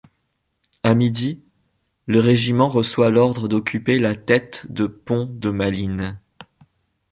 À midi, le régiment reçoit l'ordre d'occuper la tête de pont de Malines.